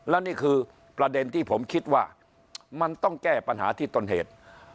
และนี่คือประเด็นที่ผมคิดว่ามันต้องแก้ปัญหาที่ต้นเหตุ